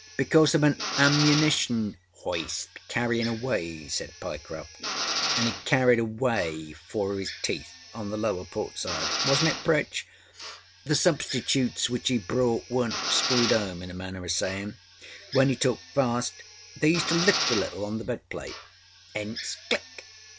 âBecause of an ammunition hoist carryinâ away,â said Pyecroft. âAnd it carried away four of âis teethâon the lower port side, wasnât it, Pritch? The substitutes which he bought werenât screwed home in a manner oâ sayinâ. When he talked fast they used to lift a little on the bed plate. âEnce, âClick.